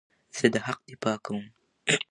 زه د حق دفاع کوم.